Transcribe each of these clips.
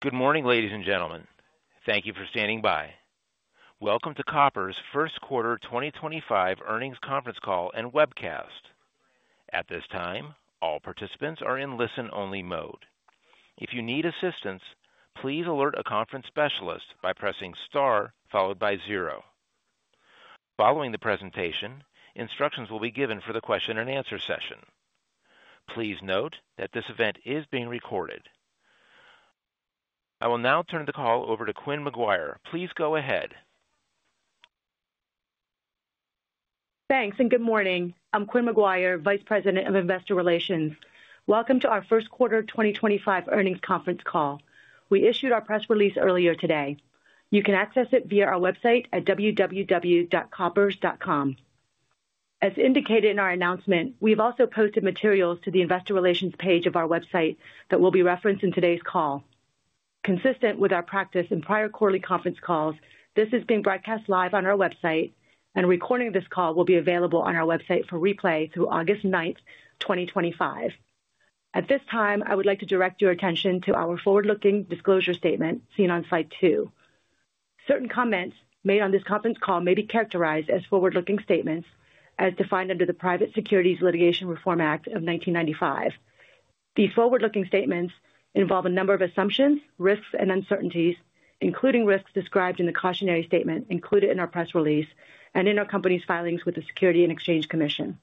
Good morning, ladies and gentlemen. Thank you for standing by. Welcome to Koppers' First Quarter 2025 Earnings Conference Call and Webcast. At this time, all participants are in listen-only mode. If you need assistance, please alert a conference specialist by pressing star followed by zero. Following the presentation, instructions will be given for the question-and-answer session. Please note that this event is being recorded. I will now turn the call over to Quynh McGuire. Please go ahead. Thanks, and good morning. I'm Quynh McGuire, Vice President of Investor Relations. Welcome to our First Quarter 2025 Earnings Conference Call. We issued our press release earlier today. You can access it via our website at www.koppers.com. As indicated in our announcement, we have also posted materials to the Investor Relations page of our website that will be referenced in today's call. Consistent with our practice in prior quarterly conference calls, this is being broadcast live on our website, and a recording of this call will be available on our website for replay through August 9th, 2025. At this time, I would like to direct your attention to our forward-looking disclosure statement seen on slide two. Certain comments made on this conference call may be characterized as forward-looking statements, as defined under the Private Securities Litigation Reform Act of 1995. These forward-looking statements involve a number of assumptions, risks, and uncertainties, including risks described in the cautionary statement included in our press release and in our company's filings with the Securities and Exchange Commission.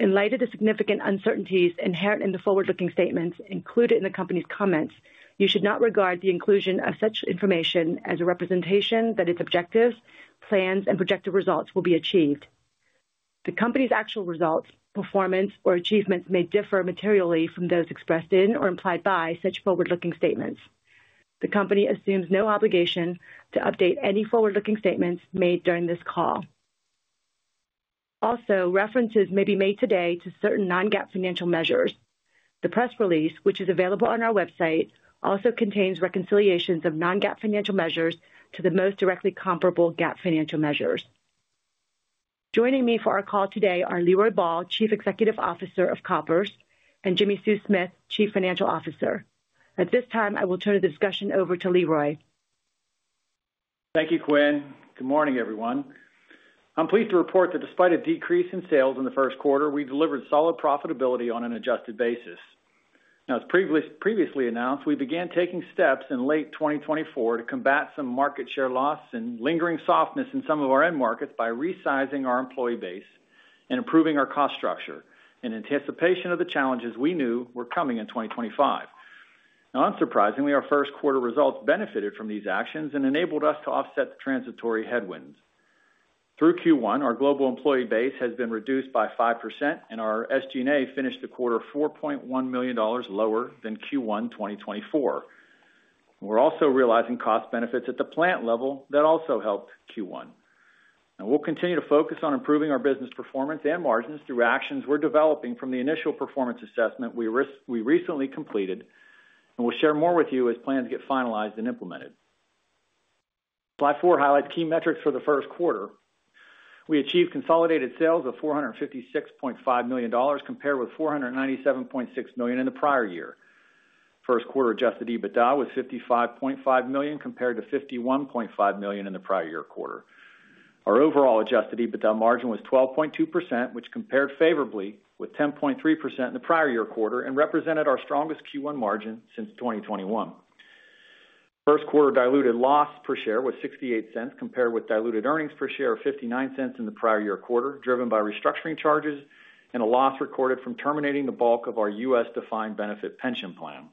In light of the significant uncertainties inherent in the forward-looking statements included in the company's comments, you should not regard the inclusion of such information as a representation that its objectives, plans, and projected results will be achieved. The company's actual results, performance, or achievements may differ materially from those expressed in or implied by such forward-looking statements. The company assumes no obligation to update any forward-looking statements made during this call. Also, references may be made today to certain non-GAAP financial measures. The press release, which is available on our website, also contains reconciliations of non-GAAP financial measures to the most directly comparable GAAP financial measures. Joining me for our call today are Leroy Ball, Chief Executive Officer of Koppers, and Jimmi Sue Smith, Chief Financial Officer. At this time, I will turn the discussion over to Leroy. Thank you, Quynh. Good morning, everyone. I'm pleased to report that despite a decrease in sales in the first quarter, we delivered solid profitability on an adjusted basis. Now, as previously announced, we began taking steps in late 2024 to combat some market share loss and lingering softness in some of our end markets by resizing our employee base and improving our cost structure in anticipation of the challenges we knew were coming in 2025. Now, unsurprisingly, our first quarter results benefited from these actions and enabled us to offset the transitory headwinds. Through Q1, our global employee base has been reduced by 5%, and our SG&A finished the quarter $4.1 million lower than Q1 2024. We're also realizing cost benefits at the plant level that also helped Q1. Now, we'll continue to focus on improving our business performance and margins through actions we're developing from the initial performance assessment we recently completed, and we'll share more with you as plans get finalized and implemented. Slide four highlights key metrics for the first quarter. We achieved consolidated sales of $456.5 million compared with $497.6 million in the prior year. First quarter adjusted EBITDA was $55.5 million compared to $51.5 million in the prior year quarter. Our overall adjusted EBITDA margin was 12.2%, which compared favorably with 10.3% in the prior year quarter and represented our strongest Q1 margin since 2021. First quarter diluted loss per share was $0.68 compared with diluted earnings per share of $0.59 in the prior year quarter, driven by restructuring charges and a loss recorded from terminating the bulk of our U.S. defined benefit pension plan.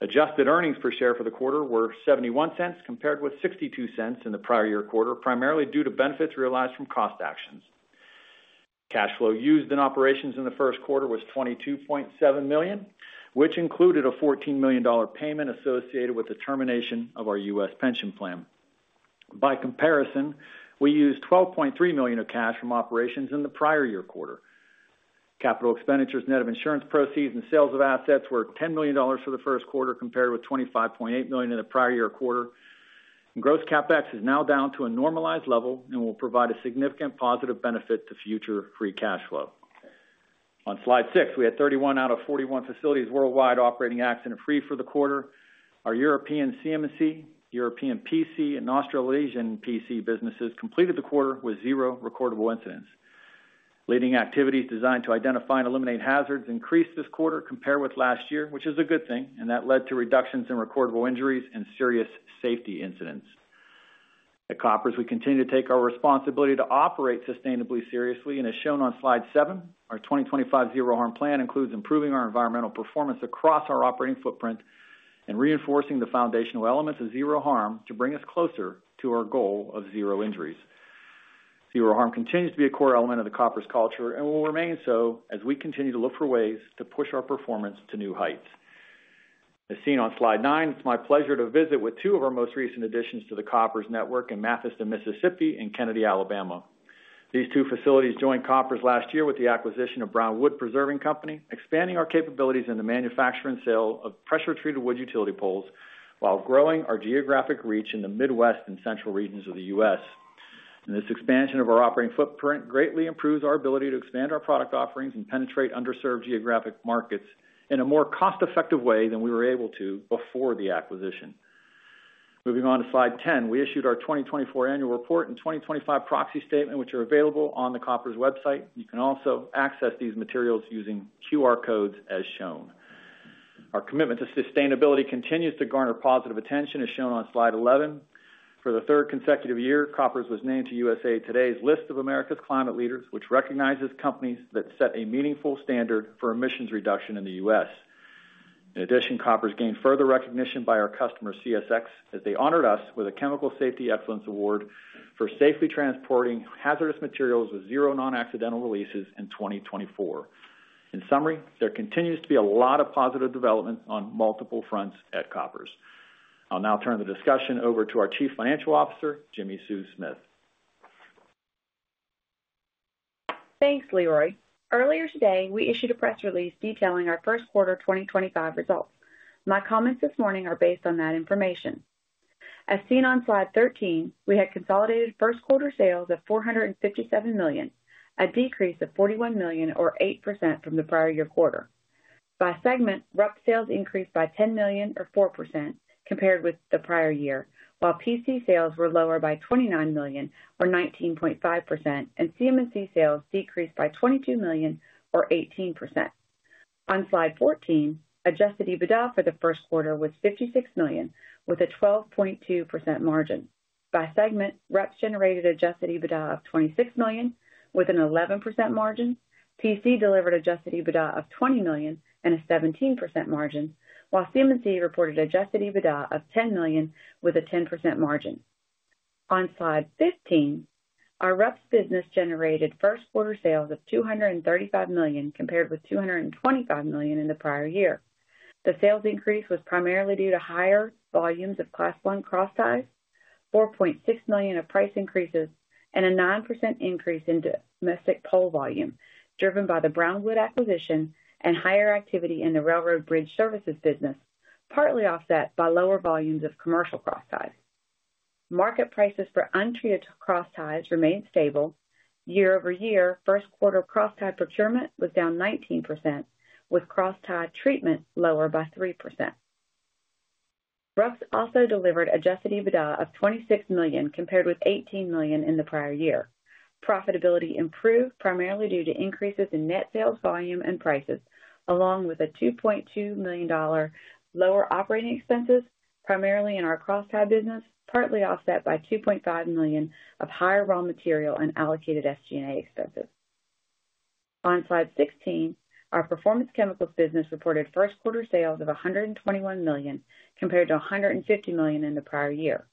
Adjusted earnings per share for the quarter were $0.71 compared with $0.62 in the prior year quarter, primarily due to benefits realized from cost actions. Cash flow used in operations in the first quarter was $22.7 million, which included a $14 million payment associated with the termination of our U.S. pension plan. By comparison, we used $12.3 million of cash from operations in the prior year quarter. Capital expenditures, net of insurance proceeds, and sales of assets were $10 million for the first quarter compared with $25.8 million in the prior year quarter. Gross CapEx is now down to a normalized level and will provide a significant positive benefit to future free cash flow. On slide six, we had 31 out of 41 facilities worldwide operating accident-free for the quarter. Our European CMC, European PC, and Australasian PC businesses completed the quarter with zero recordable incidents. Leading activities designed to identify and eliminate hazards increased this quarter compared with last year, which is a good thing, and that led to reductions in recordable injuries and serious safety incidents. At Koppers, we continue to take our responsibility to operate sustainably seriously, and as shown on slide seven, our 2025 Zero Harm Plan includes improving our environmental performance across our operating footprint and reinforcing the foundational elements of Zero Harm to bring us closer to our goal of zero injuries. Zero Harm continues to be a core element of the Koppers culture and will remain so as we continue to look for ways to push our performance to new heights. As seen on slide nine, it's my pleasure to visit with two of our most recent additions to the Koppers network in Memphis, Mississippi, and Kennedy, Alabama. These two facilities joined Koppers last year with the acquisition of Brown Wood Preserving Company, expanding our capabilities in the manufacture and sale of pressure-treated wood utility poles while growing our geographic reach in the Midwest and central regions of the U.S. This expansion of our operating footprint greatly improves our ability to expand our product offerings and penetrate underserved geographic markets in a more cost-effective way than we were able to before the acquisition. Moving on to slide 10, we issued our 2024 annual report and 2025 proxy statement, which are available on the Koppers website. You can also access these materials using QR codes as shown. Our commitment to sustainability continues to garner positive attention, as shown on slide 11. For the third consecutive year, Koppers was named to USA Today's List of America's Climate Leaders, which recognizes companies that set a meaningful standard for emissions reduction in the U.S. In addition, Koppers gained further recognition by our customer CSX as they honored us with a Chemical Safety Excellence Award for safely transporting hazardous materials with zero non-accidental releases in 2024. In summary, there continues to be a lot of positive development on multiple fronts at Koppers. I'll now turn the discussion over to our Chief Financial Officer, Jimmi Sue Smith. Thanks, Leroy. Earlier today, we issued a press release detailing our first quarter 2025 results. My comments this morning are based on that information. As seen on slide 13, we had consolidated first quarter sales of $457 million, a decrease of $41 million, or 8%, from the prior year quarter. By segment, RUPS sales increased by $10 million, or 4%, compared with the prior year, while PC sales were lower by $29 million, or 19.5%, and CMC sales decreased by $22 million, or 18%. On slide 14, adjusted EBITDA for the first quarter was $56 million, with a 12.2% margin. By segment, RUPS generated adjusted EBITDA of $26 million, with an 11% margin. PC delivered adjusted EBITDA of $20 million, and a 17% margin, while CMC reported adjusted EBITDA of $10 million, with a 10% margin. On slide 15, our RUPS business generated first quarter sales of $235 million, compared with $225 million in the prior year. The sales increase was primarily due to higher volumes of Class I cross-ties, $4.6 million of price increases, and a 9% increase in domestic pole volume, driven by the Brown Wood acquisition and higher activity in the railroad bridge services business, partly offset by lower volumes of commercial cross-ties. Market prices for untreated cross-ties remained stable. Year over year, first quarter cross-tie procurement was down 19%, with cross-tie treatment lower by 3%. RUPS also delivered adjusted EBITDA of $26 million, compared with $18 million in the prior year. Profitability improved primarily due to increases in net sales volume and prices, along with $2.2 million lower operating expenses, primarily in our cross-tie business, partly offset by $2.5 million of higher raw material and allocated SG&A expenses. On slide 16, our Performance Chemicals business reported first quarter sales of $121 million, compared to $150 million in the prior year.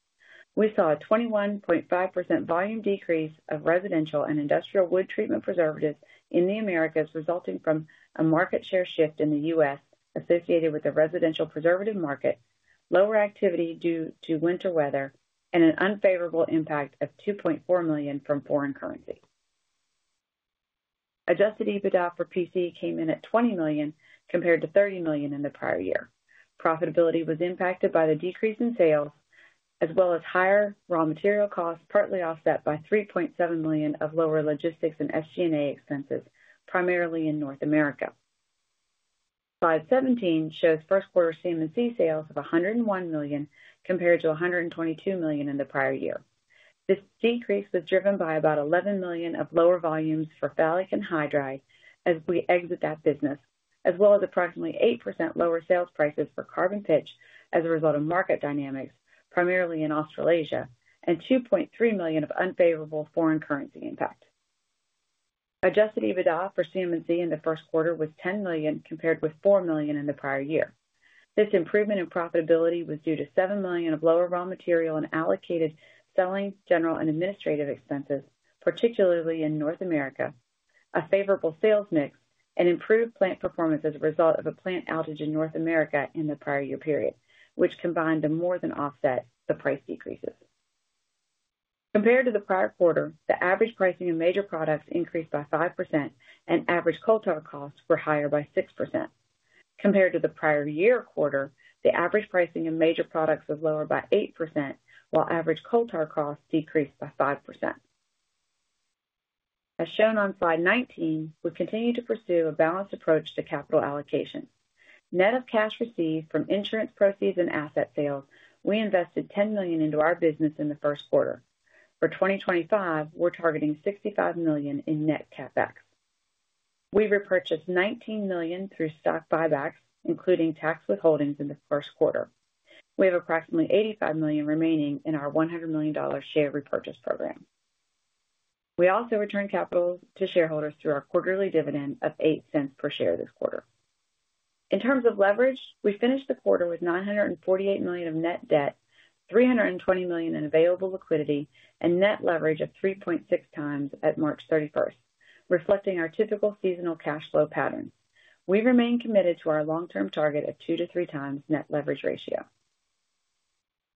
We saw a 21.5% volume decrease of residential and industrial wood treatment preservatives in the Americas, resulting from a market share shift in the U.S. associated with the residential preservative market, lower activity due to winter weather, and an unfavorable impact of $2.4 million from foreign currency. Adjusted EBITDA for PC came in at $20 million, compared to $30 million in the prior year. Profitability was impacted by the decrease in sales, as well as higher raw material costs, partly offset by $3.7 million of lower logistics and SG&A expenses, primarily in North America. Slide 17 shows first quarter CMC sales of $101 million, compared to $122 million in the prior year. This decrease was driven by about $11 million of lower volumes for phthalic and hydride as we exit that business, as well as approximately 8% lower sales prices for carbon pitch as a result of market dynamics, primarily in Australasia, and $2.3 million of unfavorable foreign currency impact. Adjusted EBITDA for CMC in the first quarter was $10 million, compared with $4 million in the prior year. This improvement in profitability was due to $7 million of lower raw material and allocated selling, general, and administrative expenses, particularly in North America, a favorable sales mix, and improved plant performance as a result of a plant outage in North America in the prior year period, which combined to more than offset the price decreases. Compared to the prior quarter, the average pricing of major products increased by 5%, and average coal tar costs were higher by 6%. Compared to the prior year quarter, the average pricing of major products was lower by 8%, while average coal tar costs decreased by 5%. As shown on slide 19, we continue to pursue a balanced approach to capital allocation. Net of cash received from insurance proceeds and asset sales, we invested $10 million into our business in the first quarter. For 2025, we're targeting $65 million in net CapEx. We repurchased $19 million through stock buybacks, including tax withholdings in the first quarter. We have approximately $85 million remaining in our $100 million share repurchase program. We also returned capital to shareholders through our quarterly dividend of $0.08 per share this quarter. In terms of leverage, we finished the quarter with $948 million of net debt, $320 million in available liquidity, and net leverage of 3.6x at March 31st, reflecting our typical seasonal cash flow pattern. We remain committed to our long-term target of 2x-3x net leverage ratio.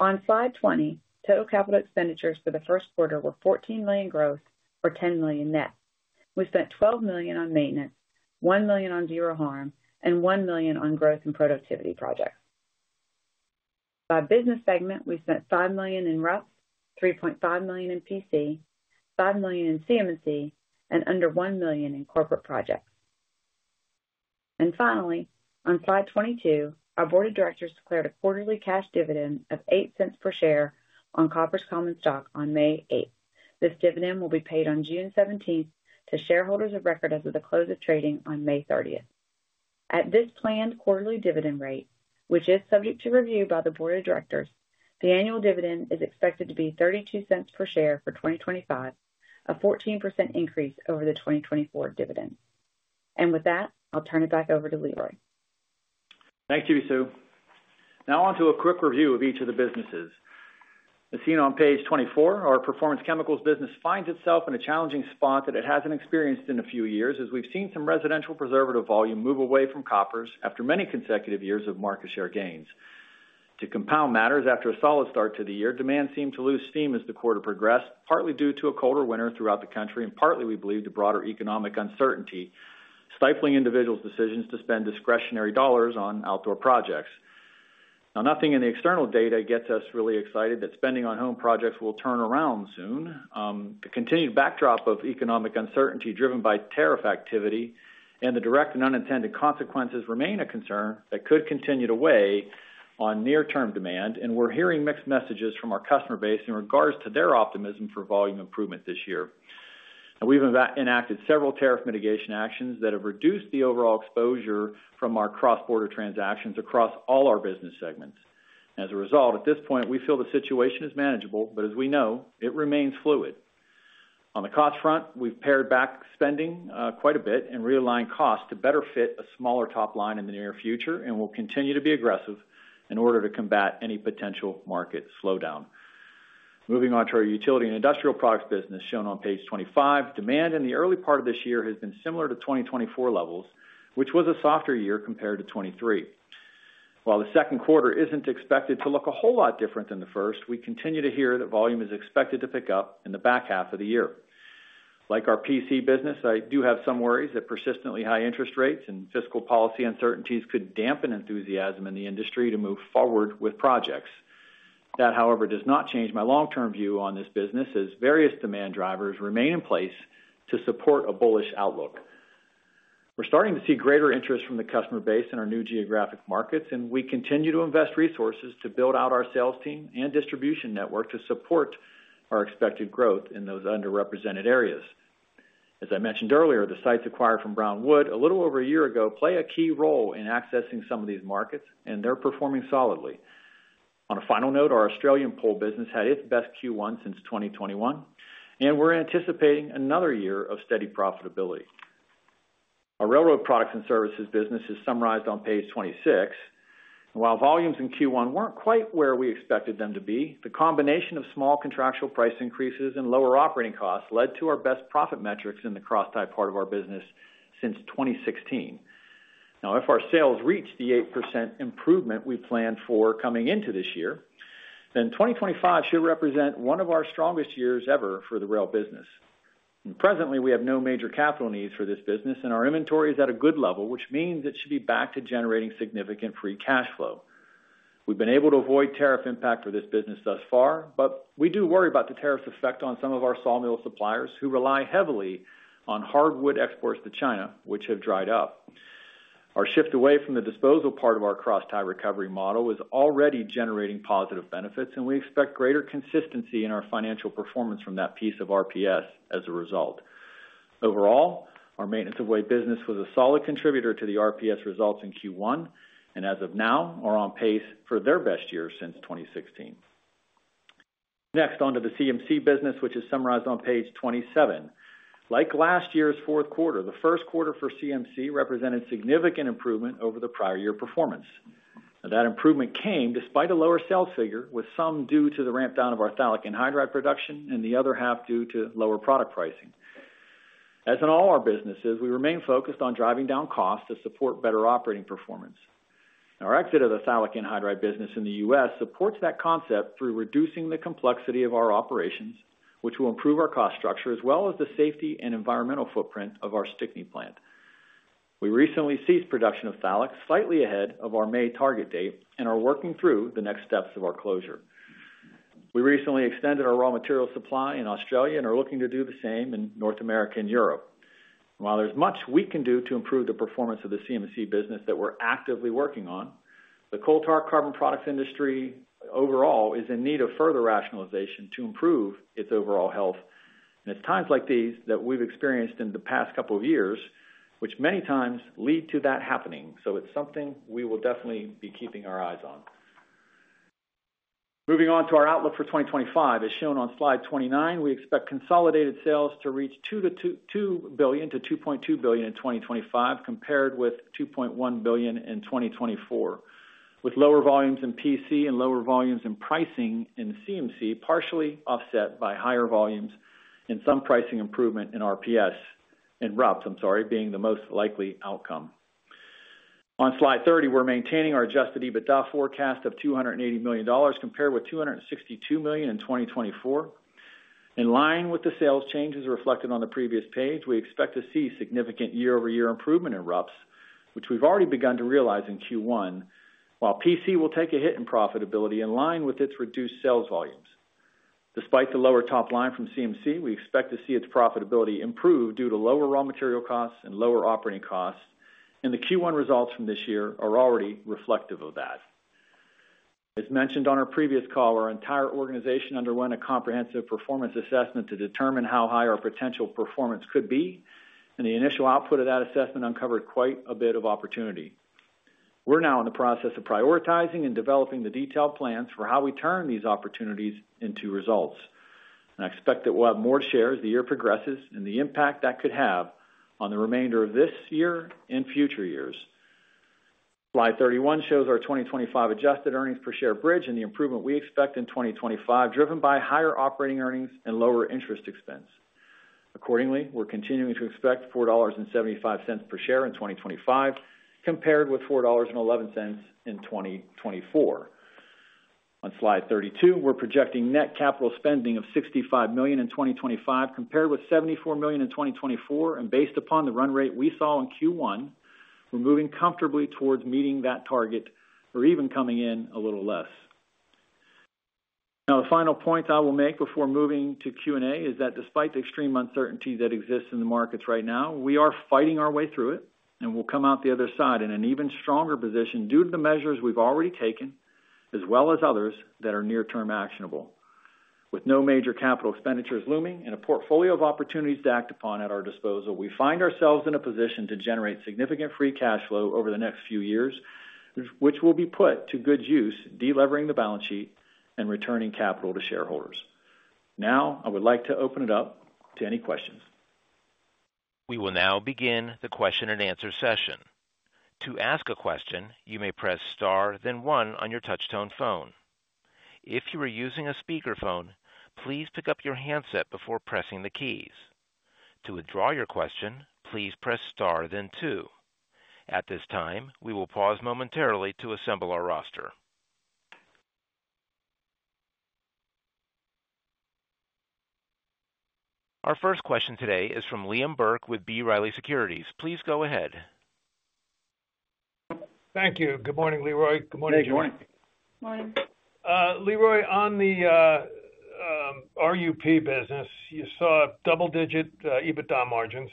On slide 20, total capital expenditures for the first quarter were $14 million gross, or $10 million net. We spent $12 million on maintenance, $1 million on Zero Harm, and $1 million on growth and productivity projects. By business segment, we spent $5 million in RUPS, $3.5 million in PC, $5 million in CMC, and under $1 million in corporate projects. Finally, on slide 22, our Board of Directors declared a quarterly cash dividend of $0.08 per share on Koppers common stock on May 8th. This dividend will be paid on June 17th to shareholders of record as of the close of trading on May 30th. At this planned quarterly dividend rate, which is subject to review by the board of directors, the annual dividend is expected to be $0.32 per share for 2025, a 14% increase over the 2024 dividend. With that, I'll turn it back over to Leroy. Thank you, Sue. Now on to a quick review of each of the businesses. As seen on page 24, our Performance Chemicals business finds itself in a challenging spot that it has not experienced in a few years, as we have seen some residential preservative volume move away from Koppers after many consecutive years of market share gains. To compound matters, after a solid start to the year, demand seemed to lose steam as the quarter progressed, partly due to a colder winter throughout the country and partly, we believe, to broader economic uncertainty stifling individuals' decisions to spend discretionary dollars on outdoor projects. Now, nothing in the external data gets us really excited that spending on home projects will turn around soon. The continued backdrop of economic uncertainty driven by tariff activity and the direct and unintended consequences remain a concern that could continue to weigh on near-term demand, and we're hearing mixed messages from our customer base in regards to their optimism for volume improvement this year. We've enacted several tariff mitigation actions that have reduced the overall exposure from our cross-border transactions across all our business segments. As a result, at this point, we feel the situation is manageable, but as we know, it remains fluid. On the cost front, we've pared back spending quite a bit and realigned costs to better fit a smaller top line in the near future, and we'll continue to be aggressive in order to combat any potential market slowdown. Moving on to our utility and industrial products business, shown on page 25, demand in the early part of this year has been similar to 2024 levels, which was a softer year compared to 2023. While the second quarter is not expected to look a whole lot different than the first, we continue to hear that volume is expected to pick up in the back half of the year. Like our PC business, I do have some worries that persistently high interest rates and fiscal policy uncertainties could dampen enthusiasm in the industry to move forward with projects. That, however, does not change my long-term view on this business, as various demand drivers remain in place to support a bullish outlook. We're starting to see greater interest from the customer base in our new geographic markets, and we continue to invest resources to build out our sales team and distribution network to support our expected growth in those underrepresented areas. As I mentioned earlier, the sites acquired from Brown Wood a little over a year ago play a key role in accessing some of these markets, and they're performing solidly. On a final note, our Australian pole business had its best Q1 since 2021, and we're anticipating another year of steady profitability. Our Railroad Products and Services business is summarized on page 26. While volumes in Q1 were not quite where we expected them to be, the combination of small contractual price increases and lower operating costs led to our best profit metrics in the cross-tie part of our business since 2016. Now, if our sales reach the 8% improvement we planned for coming into this year, then 2025 should represent one of our strongest years ever for the rail business. Presently, we have no major capital needs for this business, and our inventory is at a good level, which means it should be back to generating significant free cash flow. We've been able to avoid tariff impact for this business thus far, but we do worry about the tariffs' effect on some of our sawmill suppliers who rely heavily on hardwood exports to China, which have dried up. Our shift away from the disposal part of our cross-tie recovery model is already generating positive benefits, and we expect greater consistency in our financial performance from that piece of RPS as a result. Overall, our maintenance-of-way business was a solid contributor to the RPS results in Q1, and as of now, are on pace for their best year since 2016. Next, on to the CMC business, which is summarized on page 27. Like last year's fourth quarter, the first quarter for CMC represented significant improvement over the prior year performance. That improvement came despite a lower sales figure, with some due to the ramp-down of our phthalic and hydride production and the other half due to lower product pricing. As in all our businesses, we remain focused on driving down costs to support better operating performance. Our exit of the phthalic and hydride business in the U.S. supports that concept through reducing the complexity of our operations, which will improve our cost structure as well as the safety and environmental footprint of our Stickney Plant. We recently ceased production of phthalic, slightly ahead of our May target date, and are working through the next steps of our closure. We recently extended our raw material supply in Australia and are looking to do the same in North America and Europe. While there's much we can do to improve the performance of the CMC business that we're actively working on, the coal tar carbon products industry overall is in need of further rationalization to improve its overall health. It is times like these that we've experienced in the past couple of years, which many times lead to that happening. It is something we will definitely be keeping our eyes on. Moving on to our outlook for 2025, as shown on slide 29, we expect consolidated sales to reach $2 billion-$2.2 billion in 2025, compared with $2.1 billion in 2024, with lower volumes in PC and lower volumes and pricing in CMC partially offset by higher volumes and some pricing improvement in RPS and RUPS, I'm sorry, being the most likely outcome. On slide 30, we're maintaining our adjusted EBITDA forecast of $280 million, compared with $262 million in 2024. In line with the sales changes reflected on the previous page, we expect to see significant year-over-year improvement in RUPS, which we've already begun to realize in Q1, while PC will take a hit in profitability in line with its reduced sales volumes. Despite the lower top line from CMC, we expect to see its profitability improve due to lower raw material costs and lower operating costs, and the Q1 results from this year are already reflective of that. As mentioned on our previous call, our entire organization underwent a comprehensive performance assessment to determine how high our potential performance could be, and the initial output of that assessment uncovered quite a bit of opportunity. We're now in the process of prioritizing and developing the detailed plans for how we turn these opportunities into results. I expect that we'll have more shares as the year progresses and the impact that could have on the remainder of this year and future years. Slide 31 shows our 2025 adjusted earnings per share bridge and the improvement we expect in 2025, driven by higher operating earnings and lower interest expense. Accordingly, we're continuing to expect $4.75 per share in 2025, compared with $4.11 in 2024. On slide 32, we're projecting net capital spending of $65 million in 2025, compared with $74 million in 2024, and based upon the run rate we saw in Q1, we're moving comfortably towards meeting that target or even coming in a little less. Now, the final point I will make before moving to Q&A is that despite the extreme uncertainty that exists in the markets right now, we are fighting our way through it and will come out the other side in an even stronger position due to the measures we've already taken, as well as others that are near-term actionable. With no major capital expenditures looming and a portfolio of opportunities to act upon at our disposal, we find ourselves in a position to generate significant free cash flow over the next few years, which will be put to good use, delevering the balance sheet and returning capital to shareholders. Now, I would like to open it up to any questions. We will now begin the question and answer session. To ask a question, you may press star, then one on your touch-tone phone. If you are using a speakerphone, please pick up your handset before pressing the keys. To withdraw your question, please press star, then two. At this time, we will pause momentarily to assemble our roster. Our first question today is from Liam Burke with B. Riley Securities. Please go ahead. Thank you. Good morning, Leroy. Good morning, Jim. Hey, good morning. Morning. Leroy, on the RUPS business, you saw double-digit EBITDA margins.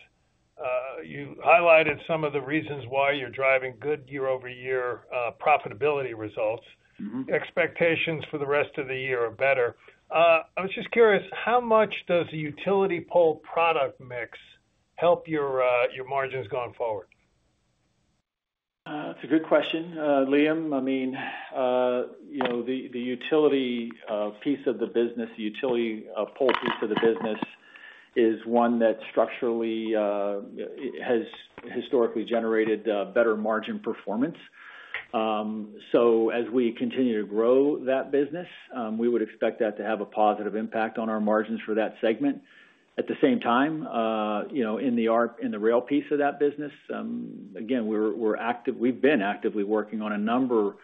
You highlighted some of the reasons why you're driving good year-over-year profitability results. Expectations for the rest of the year are better. I was just curious, how much does the utility pole product mix help your margins going forward? It's a good question, Liam. I mean, the utility piece of the business, the utility pole piece of the business, is one that structurally has historically generated better margin performance. As we continue to grow that business, we would expect that to have a positive impact on our margins for that segment. At the same time, in the rail piece of that business, again, we've been actively working on a number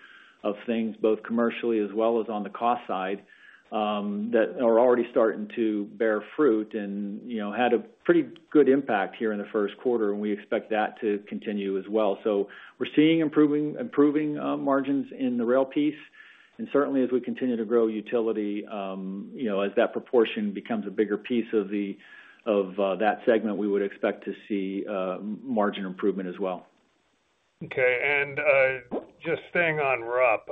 of things, both commercially as well as on the cost side, that are already starting to bear fruit and had a pretty good impact here in the first quarter, and we expect that to continue as well. We're seeing improving margins in the rail piece. Certainly, as we continue to grow utility, as that proportion becomes a bigger piece of that segment, we would expect to see margin improvement as well. Okay. Just staying on RUPS,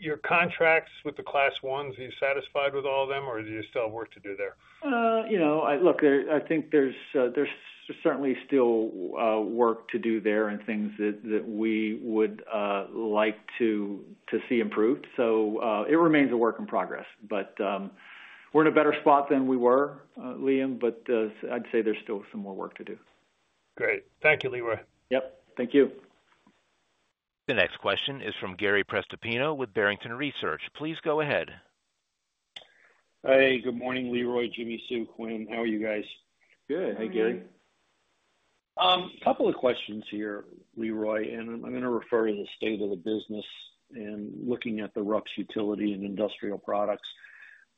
your contracts with the class ones, are you satisfied with all of them, or do you still have work to do there? Look, I think there's certainly still work to do there and things that we would like to see improved. It remains a work in progress, but we're in a better spot than we were, Liam, but I'd say there's still some more work to do. Great. Thank you, Leroy. Yep. Thank you. The next question is from Gary Prestopino with Barrington Research. Please go ahead. Hey, good morning, Leroy, Jimmi Sue, Quynh. How are you guys? Good. Hey, Gary. A couple of questions here, Leroy, and I'm going to refer to the state of the business and looking at the RUPS utility and industrial products.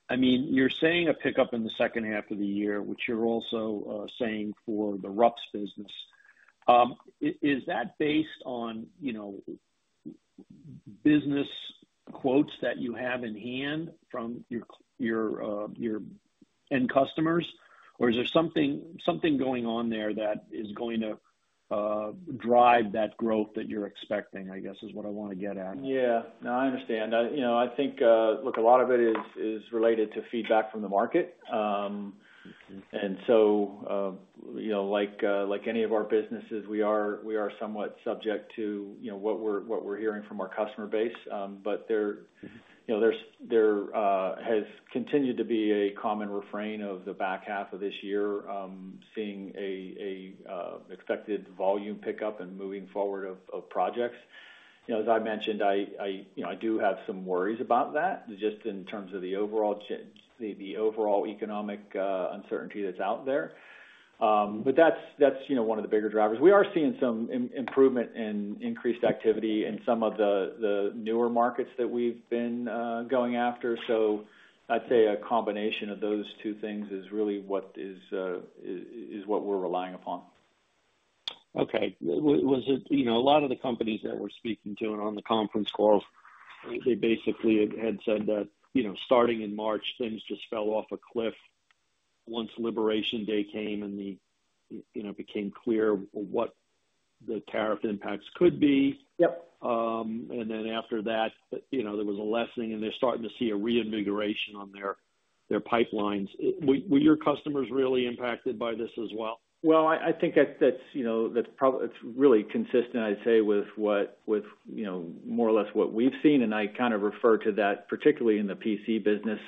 I mean, you're saying a pickup in the second half of the year, which you're also saying for the RUPS business. Is that based on business quotes that you have in hand from your end customers, or is there something going on there that is going to drive that growth that you're expecting, I guess, is what I want to get at? Yeah. No, I understand. I think, look, a lot of it is related to feedback from the market. And so like any of our businesses, we are somewhat subject to what we're hearing from our customer base, but there has continued to be a common refrain of the back half of this year, seeing an expected volume pickup and moving forward of projects. As I mentioned, I do have some worries about that, just in terms of the overall economic uncertainty that's out there. That is one of the bigger drivers. We are seeing some improvement in increased activity in some of the newer markets that we've been going after. I'd say a combination of those two things is really what we're relying upon. Okay. A lot of the companies that we're speaking to and on the conference call, they basically had said that starting in March, things just fell off a cliff once Liberation Day came and it became clear what the tariff impacts could be. After that, there was a lessening, and they're starting to see a reinvigoration on their pipelines. Were your customers really impacted by this as well? I think that's really consistent, I'd say, with more or less what we've seen. I kind of refer to that particularly in the PC business,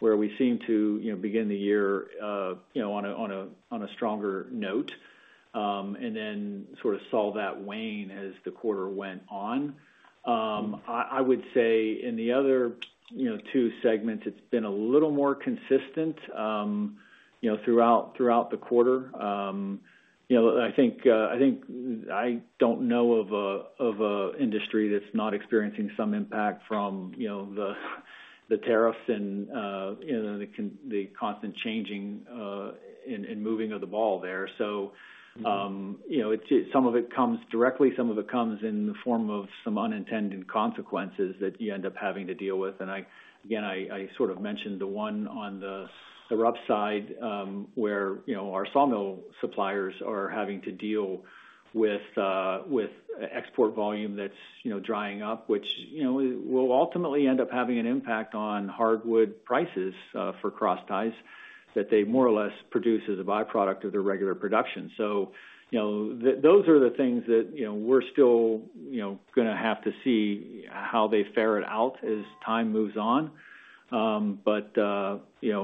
where we seem to begin the year on a stronger note and then sort of saw that wane as the quarter went on. I would say in the other two segments, it's been a little more consistent throughout the quarter. I think I don't know of an industry that's not experiencing some impact from the tariffs and the constant changing and moving of the ball there. Some of it comes directly, and some of it comes in the form of some unintended consequences that you end up having to deal with. I sort of mentioned the one on the RUPS side, where our sawmill suppliers are having to deal with export volume that's drying up, which will ultimately end up having an impact on hardwood prices for cross ties that they more or less produce as a byproduct of their regular production. Those are the things that we're still going to have to see how they fare it out as time moves on.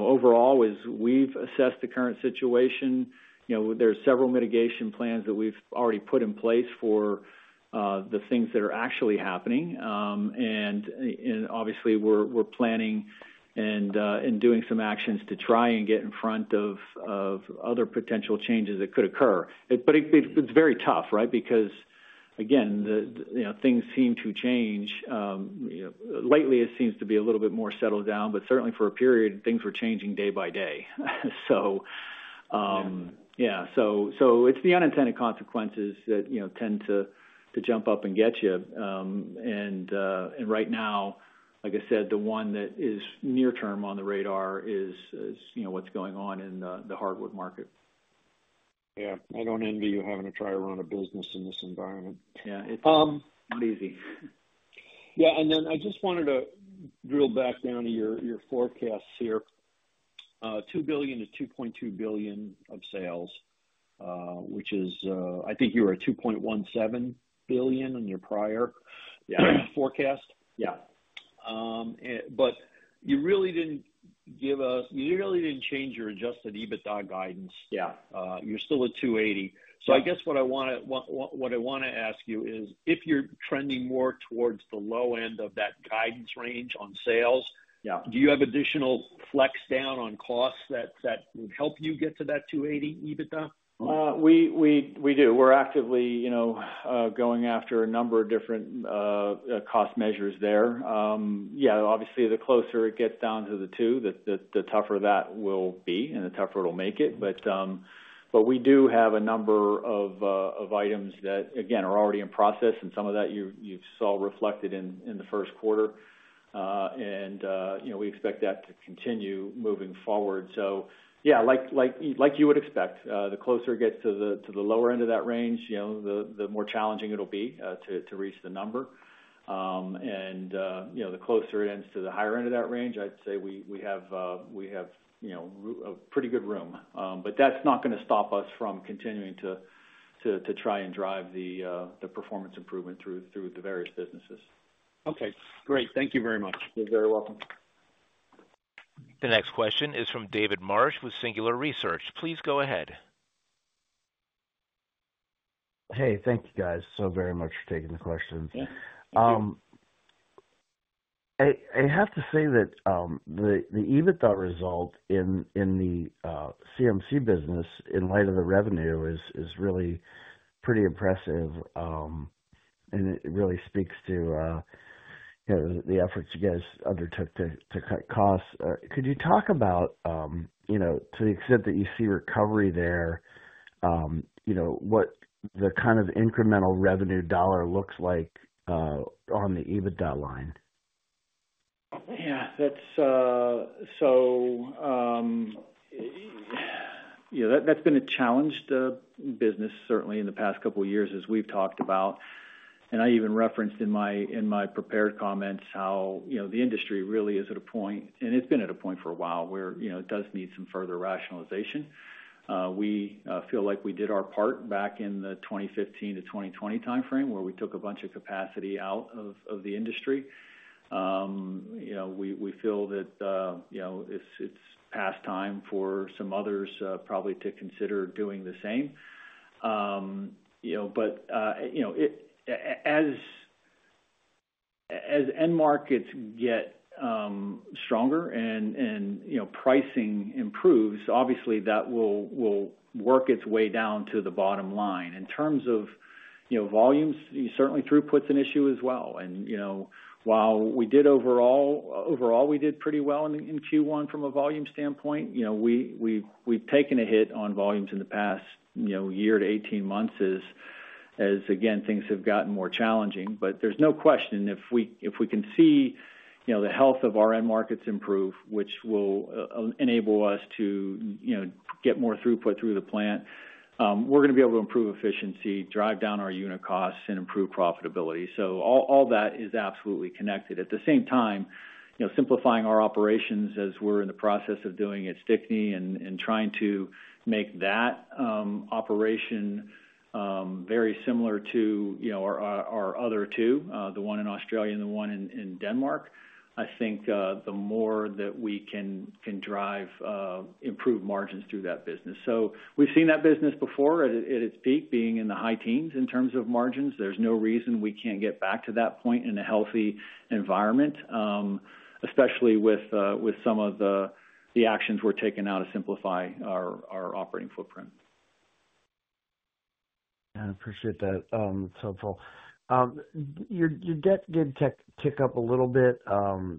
Overall, as we've assessed the current situation, there are several mitigation plans that we've already put in place for the things that are actually happening. Obviously, we're planning and doing some actions to try and get in front of other potential changes that could occur. It's very tough, right? Because, again, things seem to change. Lately, it seems to be a little bit more settled down, but certainly for a period, things were changing day by day. Yeah. It is the unintended consequences that tend to jump up and get you. Right now, like I said, the one that is near-term on the radar is what is going on in the hardwood market. Yeah. I don't envy you having to try to run a business in this environment. Yeah. It's not easy. Yeah. I just wanted to drill back down to your forecasts here. $2 billion-$2.2 billion of sales, which is I think you were at $2.17 billion in your prior forecast. Yeah. You really did not give us, you really did not change your adjusted EBITDA guidance. You are still at $280. I guess what I want to ask you is, if you are trending more towards the low end of that guidance range on sales, do you have additional flex down on costs that would help you get to that $280 EBITDA? We do. We're actively going after a number of different cost measures there. Yeah. Obviously, the closer it gets down to the two, the tougher that will be and the tougher it'll make it. We do have a number of items that, again, are already in process, and some of that you saw reflected in the first quarter. We expect that to continue moving forward. Yeah, like you would expect, the closer it gets to the lower end of that range, the more challenging it'll be to reach the number. The closer it ends to the higher end of that range, I'd say we have pretty good room. That's not going to stop us from continuing to try and drive the performance improvement through the various businesses. Okay. Great. Thank you very much. You're very welcome. The next question is from David Marsh with Singular Research. Please go ahead. Hey, thank you, guys, so very much for taking the questions. I have to say that the EBITDA result in the CMC business, in light of the revenue, is really pretty impressive, and it really speaks to the efforts you guys undertook to cut costs. Could you talk about, to the extent that you see recovery there, what the kind of incremental revenue dollar looks like on the EBITDA line? Yeah. So that's been a challenged business, certainly, in the past couple of years, as we've talked about. I even referenced in my prepared comments how the industry really is at a point, and it's been at a point for a while where it does need some further rationalization. We feel like we did our part back in the 2015-2020 timeframe, where we took a bunch of capacity out of the industry. We feel that it's past time for some others probably to consider doing the same. As end markets get stronger and pricing improves, obviously, that will work its way down to the bottom line. In terms of volumes, certainly, throughput's an issue as well. While we did overall, we did pretty well in Q1 from a volume standpoint. We've taken a hit on volumes in the past year to 18 months as, again, things have gotten more challenging. There's no question if we can see the health of our end markets improve, which will enable us to get more throughput through the plant, we're going to be able to improve efficiency, drive down our unit costs, and improve profitability. All that is absolutely connected. At the same time, simplifying our operations as we're in the process of doing at Stickney and trying to make that operation very similar to our other two, the one in Australia and the one in Denmark, I think the more that we can drive improved margins through that business. We've seen that business before at its peak being in the high teens in terms of margins. There's no reason we can't get back to that point in a healthy environment, especially with some of the actions we're taking now to simplify our operating footprint. Yeah. I appreciate that. It's helpful. Your debt did tick up a little bit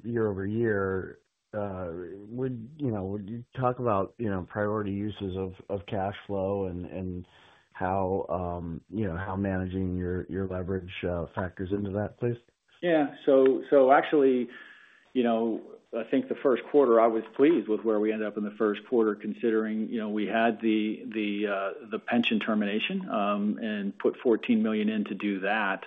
year over year. Would you talk about priority uses of cash flow and how managing your leverage factors into that, please? Yeah. So actually, I think the first quarter, I was pleased with where we ended up in the first quarter considering we had the pension termination and put $14 million in to do that.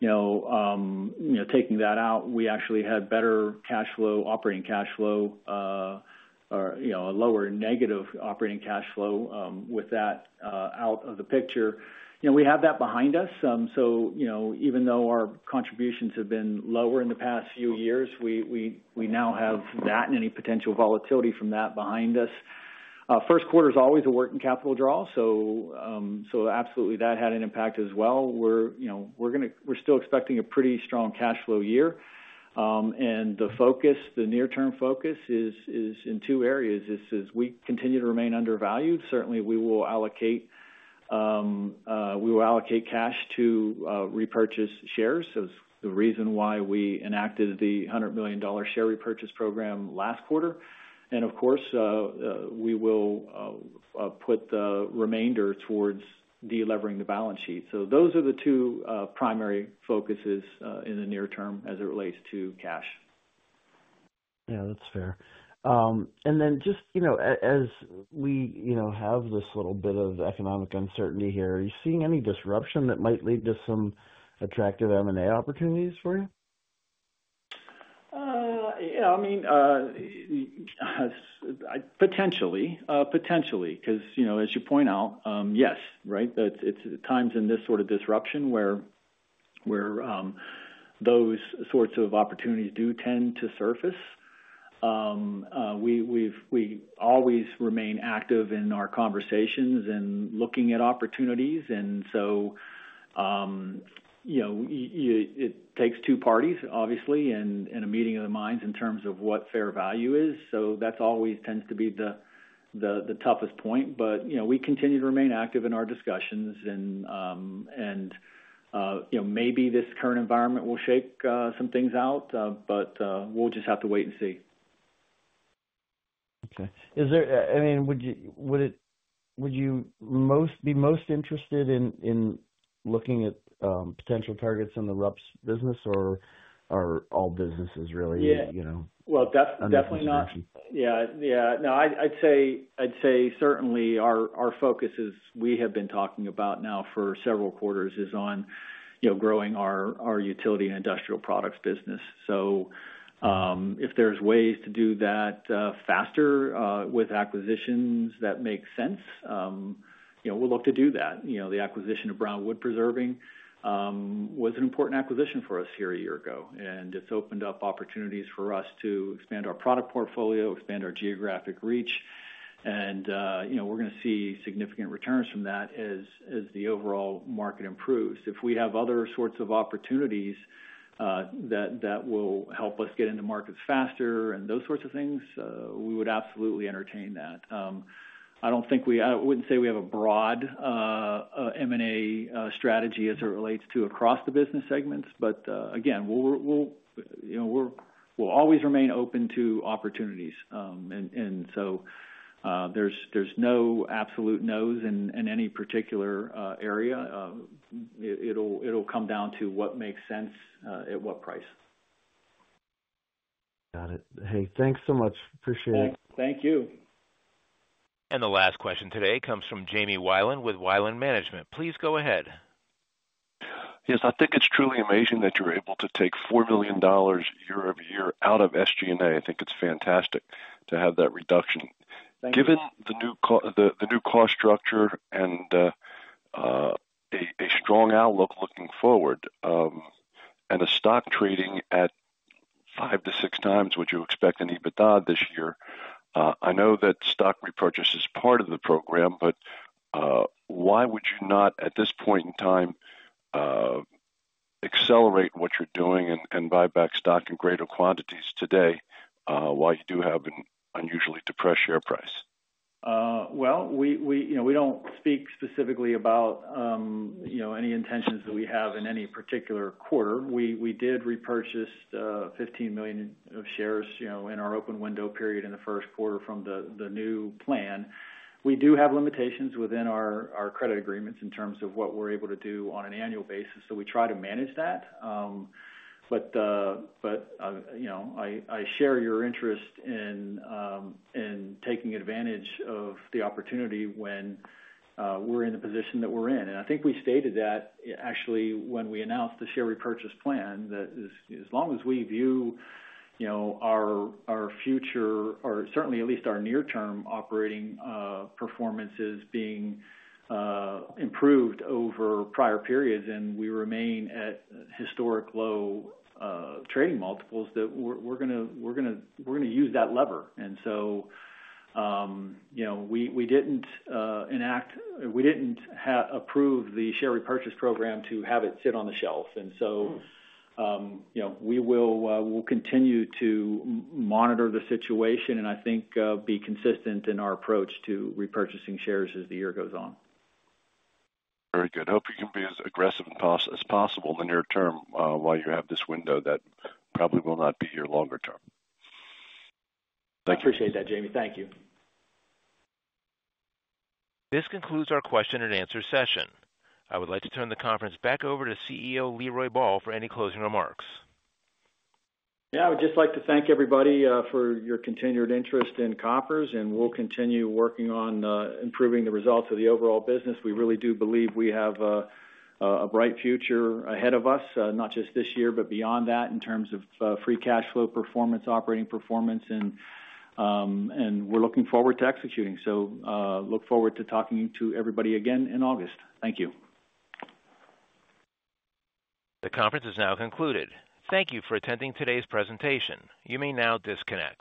Taking that out, we actually had better cash flow, operating cash flow, or a lower negative operating cash flow with that out of the picture. We have that behind us. Even though our contributions have been lower in the past few years, we now have that and any potential volatility from that behind us. First quarter is always a working capital draw, so absolutely that had an impact as well. We're still expecting a pretty strong cash flow year. The near-term focus is in two areas. This is we continue to remain undervalued. Certainly, we will allocate cash to repurchase shares. It's the reason why we enacted the $100 million share repurchase program last quarter. Of course, we will put the remainder towards delivering the balance sheet. Those are the two primary focuses in the near term as it relates to cash. Yeah. That's fair. Just as we have this little bit of economic uncertainty here, are you seeing any disruption that might lead to some attractive M&A opportunities for you? Yeah. I mean, potentially. Potentially. Because as you point out, yes, right? It's times in this sort of disruption where those sorts of opportunities do tend to surface. We always remain active in our conversations and looking at opportunities. It takes two parties, obviously, and a meeting of the minds in terms of what fair value is. That always tends to be the toughest point. We continue to remain active in our discussions. Maybe this current environment will shake some things out, but we'll just have to wait and see. Okay. I mean, would you be most interested in looking at potential targets in the RUPS business or all businesses, really? Yeah. Definitely not. Yeah. Yeah. No, I'd say certainly our focus is we have been talking about now for several quarters is on growing our utility and industrial products business. If there's ways to do that faster with acquisitions that make sense, we'll look to do that. The acquisition of Brown Wood Preserving was an important acquisition for us here a year ago. It's opened up opportunities for us to expand our product portfolio, expand our geographic reach. We're going to see significant returns from that as the overall market improves. If we have other sorts of opportunities that will help us get into markets faster and those sorts of things, we would absolutely entertain that. I wouldn't say we have a broad M&A strategy as it relates to across the business segments. Again, we'll always remain open to opportunities. There is no absolute no's in any particular area. It'll come down to what makes sense at what price. Got it. Hey, thanks so much. Appreciate it. Thank you. The last question today comes from Jamie Weiland with Weiland Management. Please go ahead. Yes. I think it's truly amazing that you're able to take $4 million year over year out of SG&A. I think it's fantastic to have that reduction. Given the new cost structure and a strong outlook looking forward and a stock trading at 5x-6x what you expect in EBITDA this year, I know that stock repurchase is part of the program, but why would you not, at this point in time, accelerate what you're doing and buy back stock in greater quantities today while you do have an unusually depressed share price? We do not speak specifically about any intentions that we have in any particular quarter. We did repurchase $15 million of shares in our open window period in the first quarter from the new plan. We do have limitations within our credit agreements in terms of what we are able to do on an annual basis. We try to manage that. I share your interest in taking advantage of the opportunity when we are in the position that we are in. I think we stated that actually when we announced the share repurchase plan that as long as we view our future, or certainly at least our near-term operating performance as being improved over prior periods and we remain at historic low trading multiples, we are going to use that lever. We did not enact or we did not approve the share repurchase program to have it sit on the shelf. We will continue to monitor the situation and I think be consistent in our approach to repurchasing shares as the year goes on. Very good. Hope you can be as aggressive as possible in the near term while you have this window that probably will not be your longer term. I appreciate that, Jamie. Thank you. This concludes our question and answer session. I would like to turn the conference back over to CEO Leroy Ball for any closing remarks. Yeah. I would just like to thank everybody for your continued interest in Koppers. And we'll continue working on improving the results of the overall business. We really do believe we have a bright future ahead of us, not just this year, but beyond that in terms of free cash flow performance, operating performance, and we're looking forward to executing. So look forward to talking to everybody again in August. Thank you. The conference is now concluded. Thank you for attending today's presentation. You may now disconnect.